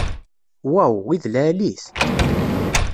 Waw, i d lɛali-t!